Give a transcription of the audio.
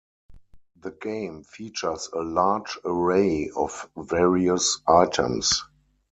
The game features a large array of various items.